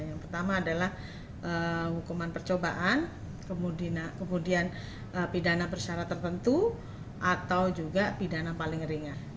yang pertama adalah hukuman percobaan kemudian pidana persyarat tertentu atau juga pidana paling ringan